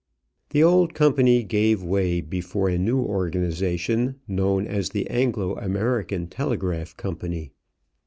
The old company gave way before a new organization known as the Anglo American Telegraph Company.